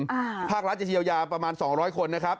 ภาครัฐจะเยียวยาประมาณสองร้อยคนนะครับ